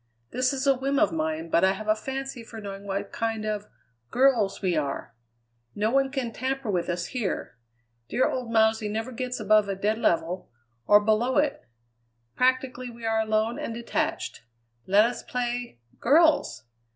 This is a whim of mine, but I have a fancy for knowing what kind of girls we are. No one can tamper with us here. Dear old Mousey never gets above a dead level, or below it. Practically we are alone and detached. Let us play girls!